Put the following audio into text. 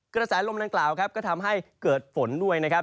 กระแสลมดังกล่าวครับก็ทำให้เกิดฝนด้วยนะครับ